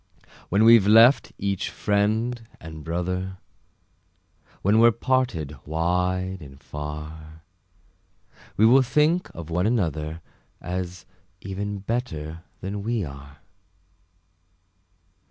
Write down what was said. When we've left each friend and brother, When we're parted wide and far, We will think of one another, As even better than we are.